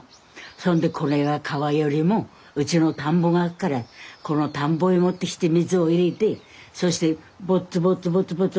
そんでこれは川よりもうちの田んぼがあっからこの田んぼへ持ってきて水を入れてそしてボッツボッツボッツボッツ